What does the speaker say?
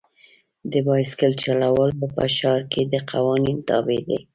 د بایسکل چلول په ښار کې د قوانین تابع دي.